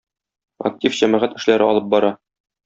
Актив җәмәгать эшләре алып бара.